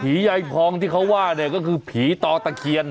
ยายพองที่เขาว่าเนี่ยก็คือผีต่อตะเคียน